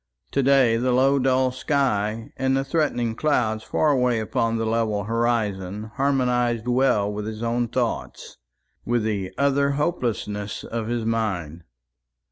To day the low dull sky and the threatening clouds far away upon the level horizon harmonised well with his own thoughts with the utter hopelessness of his mind.